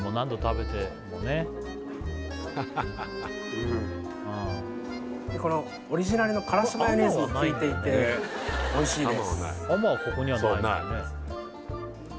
うんこのオリジナルの辛子マヨネーズもきいていておいしいです